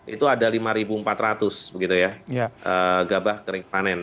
itu ada lima empat ratus begitu ya gabah kering panen